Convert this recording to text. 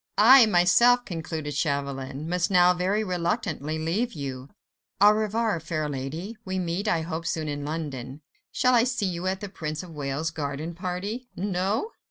"I, myself," concluded Chauvelin, "must now very reluctantly leave you. Au revoir, fair lady. We meet, I hope, soon in London. Shall I see you at the Prince of Wales' garden party?—No?